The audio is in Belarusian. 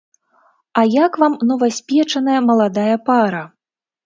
А як вам новаспечаная маладая пара?